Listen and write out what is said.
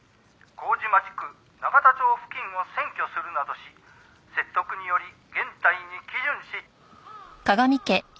「麹町区永田町付近を占拠するなどし説得により原隊に帰順し」